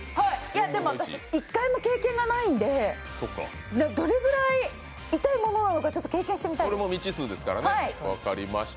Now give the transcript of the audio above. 私１回も経験がないのでどれぐらい痛いものなのか経験してみたいです。